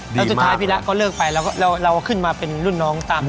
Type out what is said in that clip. แล้วสุดท้ายพี่ระก็เลิกไปเราขึ้นมาเป็นรุ่นน้องตาม